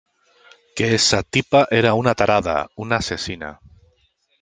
que esa tipa era una tarada, una asesina.